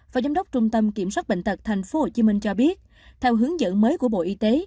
và giám đốc trung tâm kiểm soát bệnh tật tp hcm cho biết theo hướng dẫn mới của bộ y tế